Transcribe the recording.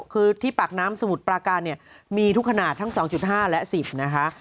คือที่ปากน้ำสมุทรปราการเนี่ยมีทุกขนาดทั้ง๒๕และ๑๐นะคะ